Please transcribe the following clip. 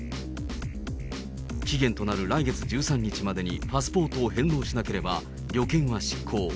期限となる来月１３日までにパスポートを返納しなければ、旅券は失効。